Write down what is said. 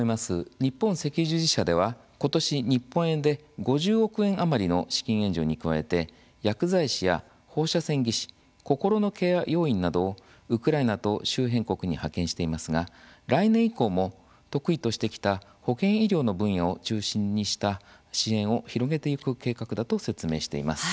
日本赤十字社では、今年日本円で５０億円余りの資金援助に加えて薬剤師や、放射線技師こころのケア要員などをウクライナと周辺国に派遣していますが、来年以降も得意としてきた保健医療の分野を中心にした支援を広げてゆく計画だと説明しています。